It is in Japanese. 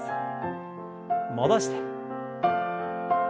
戻して。